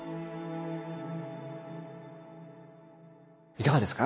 いかがですか？